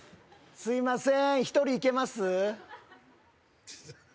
すいません